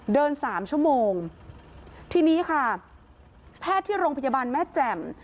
สามชั่วโมงทีนี้ค่ะแพทย์ที่โรงพยาบาลแม่แจ่ม